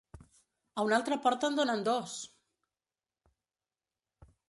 A una altra porta en donen dos!